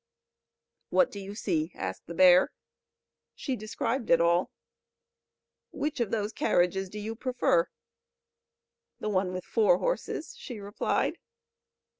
"What do you see?" asked the bear. She described it all. "Which of those carriages do you prefer?" "The one with four horses," she replied.